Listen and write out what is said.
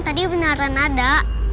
tadi beneran ada